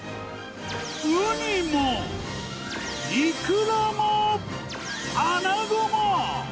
ウニも、イクラも、アナゴも。